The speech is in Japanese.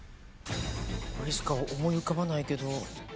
あれしか思い浮かばないけど。